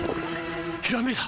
ひらめいた！